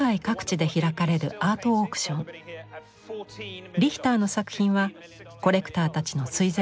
リヒターの作品はコレクターたちの垂ぜんの的です。